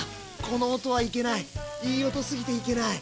この音はいけないいい音すぎていけない。